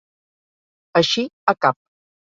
Eixir a cap.